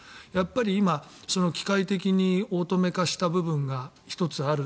今、機械的にオートメ化した部分が１つある。